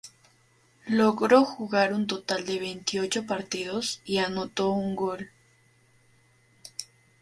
Logró jugar un total de veintiocho partidos y anotó un gol.